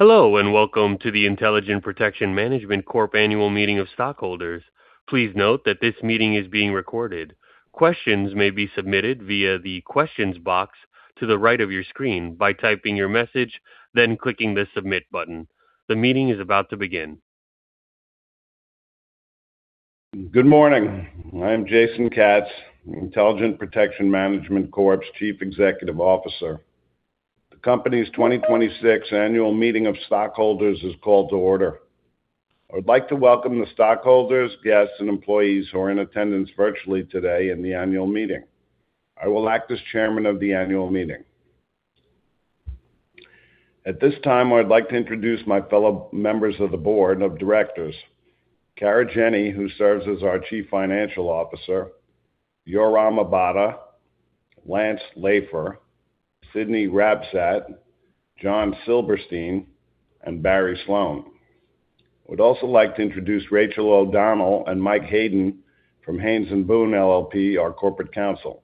Hello, and welcome to the Intelligent Protection Management Corp annual meeting of stockholders. Please note that this meeting is being recorded. Questions may be submitted via the Questions box to the right of your screen by typing your message then clicking the Submit button. The meeting is about to begin. Good morning. I'm Jason Katz, Intelligent Protection Management Corp's Chief Executive Officer. The company's 2026 annual meeting of stockholders is called to order. I would like to welcome the stockholders, guests, and employees who are in attendance virtually today in the annual meeting. I will act as Chairman of the annual meeting. At this time, I'd like to introduce my fellow members of the board of directors. Kara Jenny, who serves as our Chief Financial Officer, Yoram Abada, Lance Laifer, Sidney Rabsatt, John Silberstein, and Barry Sloane. I would also like to introduce Rachel O'Donnell and Mike Haden from Haynes & Boone, LLP, our corporate counsel.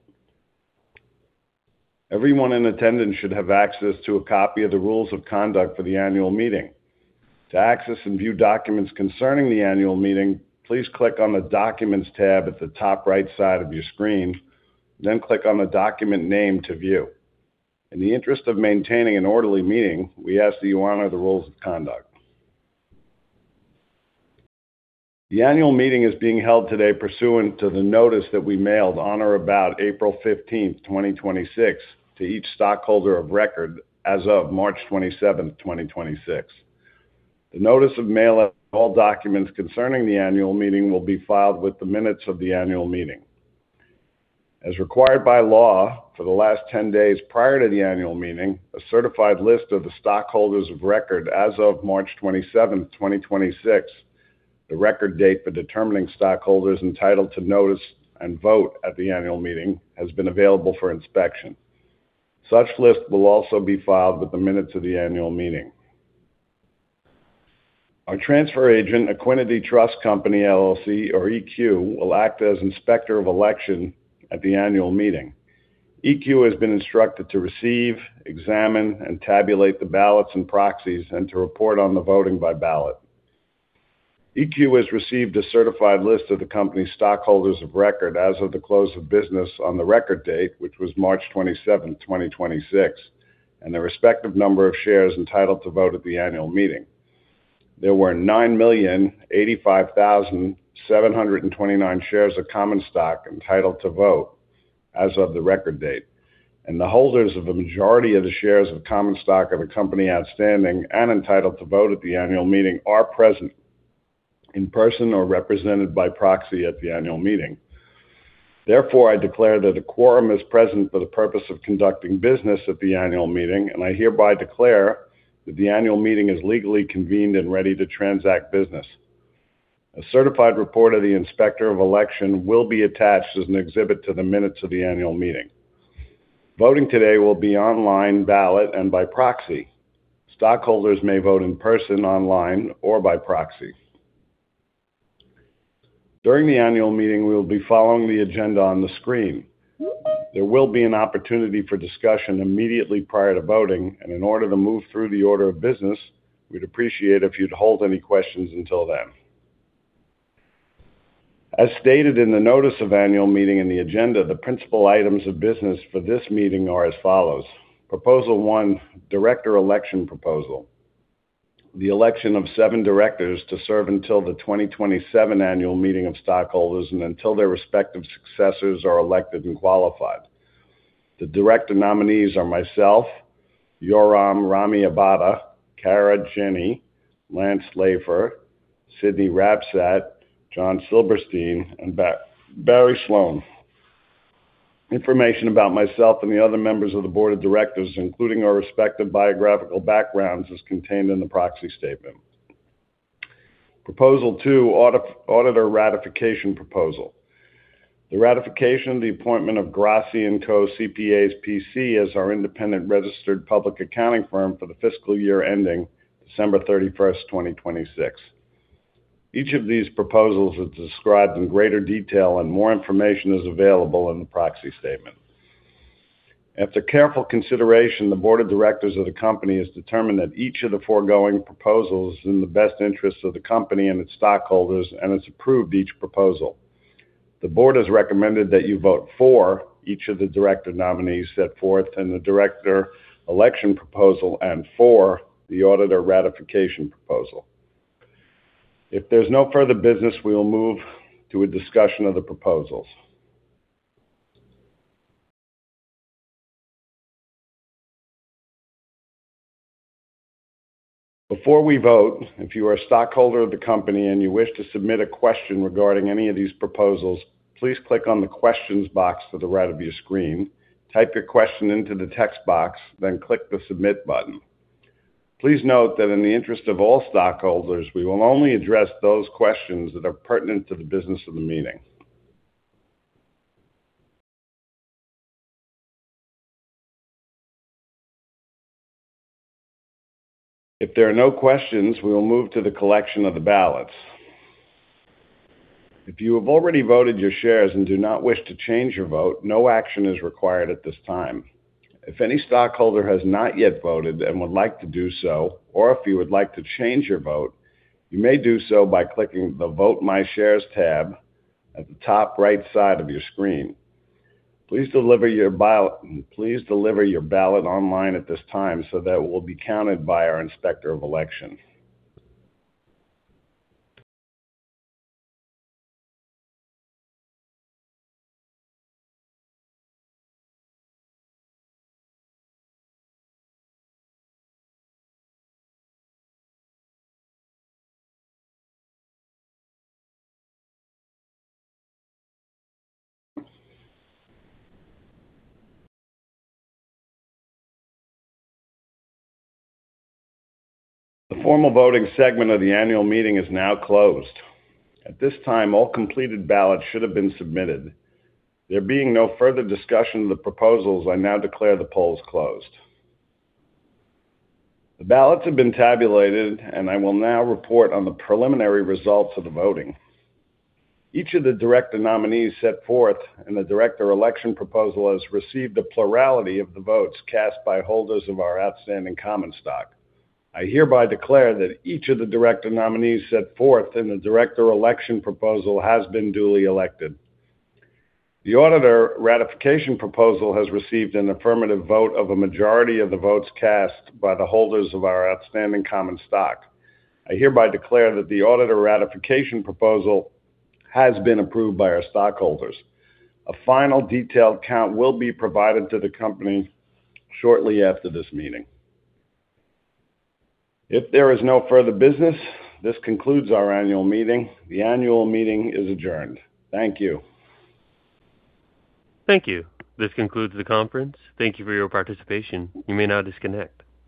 Everyone in attendance should have access to a copy of the rules of conduct for the annual meeting. To access and view documents concerning the annual meeting, please click on the Documents tab at the top right side of your screen, then click on the document name to view. In the interest of maintaining an orderly meeting, we ask that you honor the rules of conduct. The annual meeting is being held today pursuant to the notice that we mailed on or about April 15th, 2026, to each stockholder of record as of March 27th, 2026. The notice of mail all documents concerning the annual meeting will be filed with the minutes of the annual meeting. As required by law, for the last 10 days prior to the annual meeting, a certified list of the stockholders of record as of March 27th, 2026, the record date for determining stockholders entitled to notice and vote at the annual meeting, has been available for inspection. Such list will also be filed with the minutes of the annual meeting. Our transfer agent, Equiniti Trust Company, LLC or EQ, will act as inspector of election at the annual meeting. EQ has been instructed to receive, examine, and tabulate the ballots and proxies and to report on the voting by ballot. EQ has received a certified list of the company's stockholders of record as of the close of business on the record date, which was March 27th, 2026, and the respective number of shares entitled to vote at the annual meeting. There were 9,085,729 shares of common stock entitled to vote as of the record date. The holders of the majority of the shares of common stock of a company outstanding and entitled to vote at the annual meeting are present in person or represented by proxy at the annual meeting. Therefore, I declare that a quorum is present for the purpose of conducting business at the annual meeting, and I hereby declare that the annual meeting is legally convened and ready to transact business. A certified report of the inspector of election will be attached as an exhibit to the minutes of the annual meeting. Voting today will be online ballot and by proxy. Stockholders may vote in person, online, or by proxy. During the annual meeting, we will be following the agenda on the screen. There will be an opportunity for discussion immediately prior to voting. In order to move through the order of business, we'd appreciate if you'd hold any questions until then. As stated in the notice of annual meeting and the agenda, the principal items of business for this meeting are as follows. Proposal one, director election proposal. The election of seven directors to serve until the 2027 annual meeting of stockholders and until their respective successors are elected and qualified. The director nominees are myself, Yoram Rami Abada, Kara Jenny, Lance Laifer, Sidney Rabsatt, John Silberstein, and Barry Sloane. Information about myself and the other members of the board of directors, including our respective biographical backgrounds, is contained in the proxy statement. Proposal two, auditor ratification proposal. The ratification of the appointment of Grassi & Co., CPAs, P.C. as our independent registered public accounting firm for the fiscal year ending December 31st, 2026. Each of these proposals is described in greater detail and more information is available in the proxy statement. After careful consideration, the board of directors of the company has determined that each of the foregoing proposals is in the best interest of the company and its stockholders, and it's approved each proposal. The board has recommended that you vote for each of the director nominees set forth in the director election proposal and for the auditor ratification proposal. If there's no further business, we will move to a discussion of the proposals. Before we vote, if you are a stockholder of the company and you wish to submit a question regarding any of these proposals, please click on the Questions box to the right of your screen. Type your question into the text box, click the Submit button. Please note that in the interest of all stockholders, we will only address those questions that are pertinent to the business of the meeting. If there are no questions, we will move to the collection of the ballots. If you have already voted your shares and do not wish to change your vote, no action is required at this time. If any stockholder has not yet voted and would like to do so, or if you would like to change your vote, you may do so by clicking the Vote My Shares tab at the top right side of your screen. Please deliver your ballot online at this time so that it will be counted by our Inspector of Election. The formal voting segment of the annual meeting is now closed. At this time, all completed ballots should have been submitted. There being no further discussion of the proposals, I now declare the polls closed. The ballots have been tabulated, and I will now report on the preliminary results of the voting. Each of the director nominees set forth in the director election proposal has received a plurality of the votes cast by holders of our outstanding common stock. I hereby declare that each of the director nominees set forth in the director election proposal has been duly elected. The auditor ratification proposal has received an affirmative vote of a majority of the votes cast by the holders of our outstanding common stock. I hereby declare that the auditor ratification proposal has been approved by our stockholders. A final detailed count will be provided to the company shortly after this meeting. If there is no further business, this concludes our annual meeting. The annual meeting is adjourned. Thank you. Thank you. This concludes the conference. Thank you for your participation. You may now disconnect.